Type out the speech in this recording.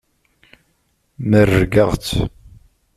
Merrgeɣ-tt.